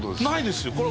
ないですよ